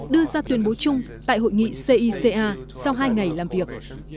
đưa ra tuyên bố chung tại hội nghị cica sau hai ngày làm việc